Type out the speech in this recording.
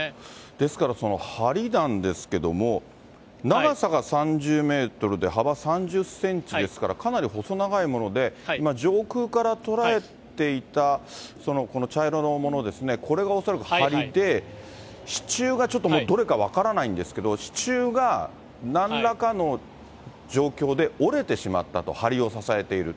ですからはりなんですけども、長さが３０メートルで幅３０センチですから、かなり細長いもので、上空から捉えていた、この茶色のものですね、これが恐らくはりで、支柱がちょっともうどれか分からないんですけど、支柱がなんらかの状況で折れてしまったと、はりを支えている。